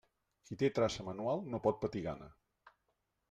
Qui té traça manual no pot patir gana.